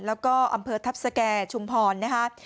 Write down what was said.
แล้วก็อำเภอทัพสแก่ชุมพรนะคะ